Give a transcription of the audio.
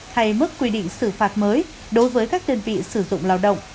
hay mức quy định xử phạt mới đối với các đơn vị sử dụng lao động